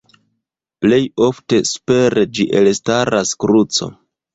Plej ofte super ĝi elstaras kruco.